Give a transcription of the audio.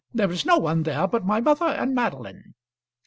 There is no one there but my mother and Madeline."